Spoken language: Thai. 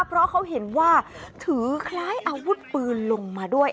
เพราะเขาเห็นว่าถือคล้ายอาวุธปืนลงมาด้วย